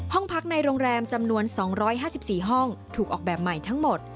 ห้องพักในโรงแรมจำนวน๒๕๔ห้องถูกออกแบบใหม่ทั้งหมด